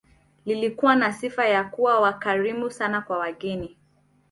Lilikuwa na sifa ya kuwa wakarimu sana kwa wageni